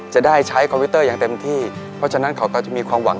จะได้ใช้คอมพิวเตอร์อย่างเต็มที่เพราะฉะนั้นเขาก็จะมีความหวัง